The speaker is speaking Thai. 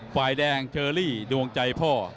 ฝ่ายแดงเชอรี่ดวงใจพ่อ